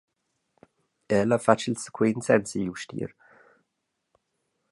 El ha fatg il quen senz’igl ustier.